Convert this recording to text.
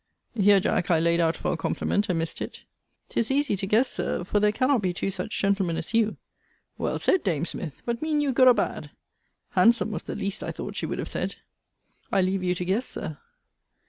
Here, Jack, I laid out for a compliment, and missed it. 'Tis easy to guess, Sir; for there cannot be two such gentlemen as you. Well said, dame Smith but mean you good or bad? Handsome was the least I thought she would have said. I leave you to guess, Sir.